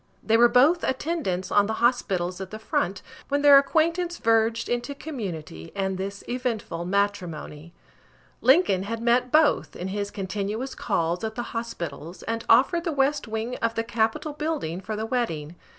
They were both attendants on the hospitals at the front, when their acquaintance verged into community, and this eventful matrimony. Lincoln had met both, in his continuous calls at the hospitals, and offered the west wing of the Capitol building for the wedding.